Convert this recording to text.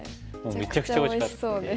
めちゃくちゃおいしそうです。